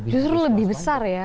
justru lebih besar ya